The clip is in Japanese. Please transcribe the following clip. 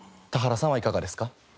田原さんはいかがですか？